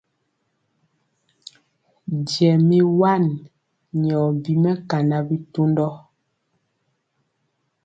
Jɛ mi wan nyɔ bi mɛkana bitundɔ.